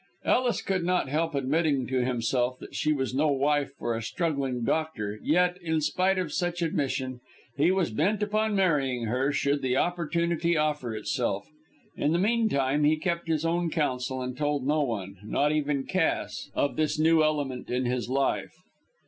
Ellis could not help admitting to himself that she was no wife for a struggling doctor, yet, in spite of such admission, he was bent upon marrying her, should the opportunity offer itself. In the meantime he kept his own counsel and told no one not even Cass of this new element in his life.